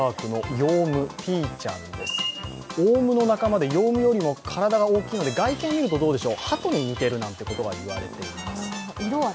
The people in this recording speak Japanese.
オウムの仲間でオウムよりも体が大きいので外見を見るとどうでしょう、はとに似ていると言われています。